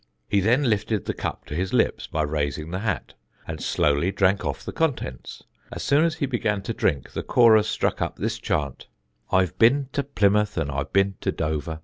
He then lifted the cup to his lips by raising the hat, and slowly drank off the contents. As soon as he began to drink, the chorus struck up this chant: I've bin to Plymouth and I've bin to Dover.